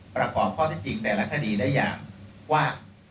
ประกอบข้อที่จริงแต่ละคดีได้อย่างว่า